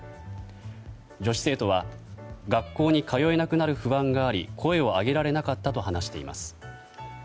女子生徒は学校に通えなくなる不安があり声を上げられなかったと話しています。